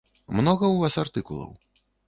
Многа ў вас артыкулаў?